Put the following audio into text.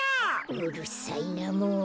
うるさいなもう。